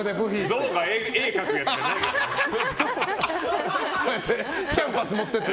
ゾウが絵を描くやつじゃないからね。